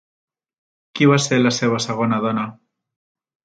Qui va ser la seva segona dona?